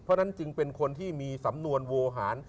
เพราะฉะนั้นจึงเป็นคนที่มีสำนวนโวหาร